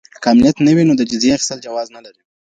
که امنيت نه وي، نو د جزيې اخيستل جواز نه لري.